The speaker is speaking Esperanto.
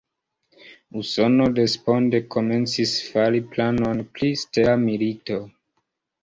Usono responde komencis fari planon pri "stela milito".